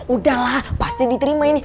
udahlah pasti diterima ini